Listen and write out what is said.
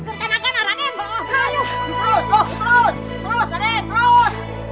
terus raden terus